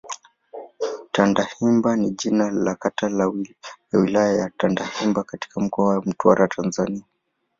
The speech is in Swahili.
Tandahimba ni jina la kata ya Wilaya ya Tandahimba katika Mkoa wa Mtwara, Tanzania.